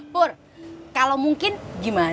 pur kalau mungkin gimana